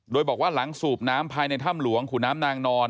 โดยบอกว่าหลังสูบน้ำภายในถ้ำหลวงขุนน้ำนางนอน